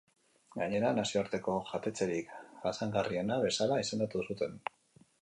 Gainera, nazioarteko jatetxerik jasangarriena bezala izendatu zuten.